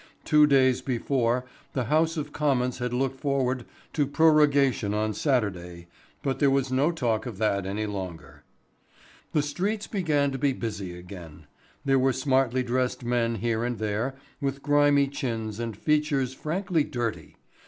Two days before the House of Commons had looked forward to prorogation on Saturday, but there was no talk of that any longer. The streets began to be busy again. There were smartly dressed men here and there with grimy chins and features frankly dirty.